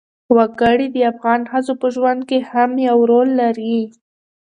وګړي د افغان ښځو په ژوند کې هم یو رول لري.